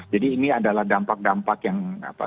jadi ini adalah dampak dampak yang